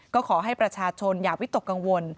ก็ขอให้ประชาชนอย่าวิตกกังวล